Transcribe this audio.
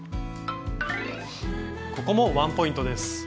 ここもワンポイントです。